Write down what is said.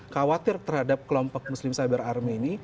khawatir terhadap kelompok muslim cyber army ini